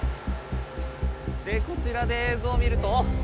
でこちらで映像を見ると。